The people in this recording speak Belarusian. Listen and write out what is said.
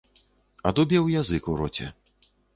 Адубеў язык у роце.